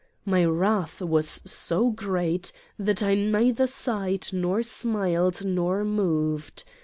My wrath was so great that I neither sighed nor smiled nor moved.